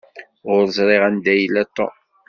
Ur ẓṛiɣ anda i yella Tom.